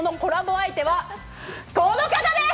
相手は、この方です！